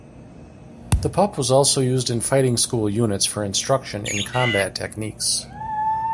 The Pup was also used in Fighting School units for instruction in combat techniques.